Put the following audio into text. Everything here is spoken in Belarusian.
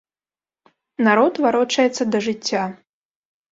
Народ варочаецца да жыцця.